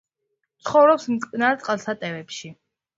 ცხოვრობს მტკნარ წყალსატევებში.